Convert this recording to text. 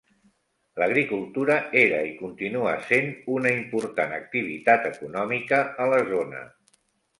L'agricultura era, i continua sent, una important activitat econòmica a la zona.